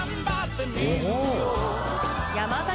山崎